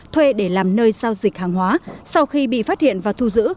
thuê để làm nơi giao dịch hàng hóa sau khi bị phát hiện và thu giữ